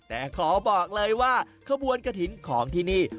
แต่ขอบอกเลยว่าขบวนกระถิ่นของที่นี่